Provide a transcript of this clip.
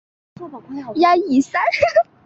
其多数曲目多由阿久悠携手共同打造。